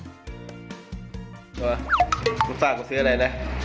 เธอฝากมาซื้ออะไรนะ